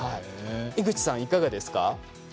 井口さん、いかがですか？